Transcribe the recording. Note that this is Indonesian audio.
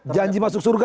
janji masuk surga